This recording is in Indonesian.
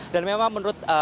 dan memang menurut